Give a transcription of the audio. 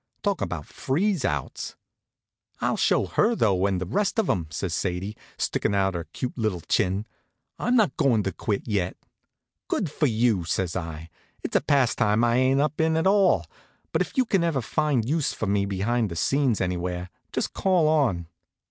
Talk about freeze outs! "I'll show her, though, and the rest of 'em!" says Sadie, stickin' out her cute little chin. "I'm not going to quit yet." "Good for you!" says I. "It's a pastime I ain't up in at all; but if you can ever find use for me behind the scenes anywhere, just call on."